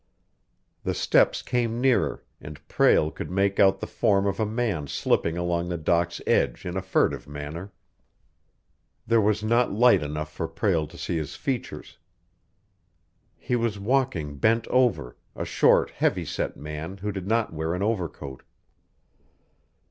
The steps came nearer and Prale could make out the form of a man slipping along the dock's edge in a furtive manner. There was not light enough for Prale to see his features. He was walking bent over, a short, heavy set man who did not wear an overcoat.